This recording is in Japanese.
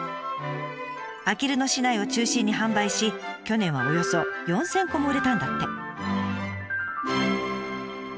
あきる野市内を中心に販売し去年はおよそ４，０００個も売れたんだって。